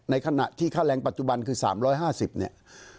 ในขณะที่ค่าแรงปัจจุบันคือ๓๕๐เนี่ย